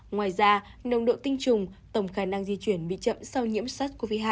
ngoài ra nông độ tình trùng tổng khả năng di chuyển bị chậm sau nhiễm sars cov hai